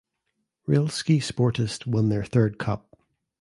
Rilski Sportist won their third cup.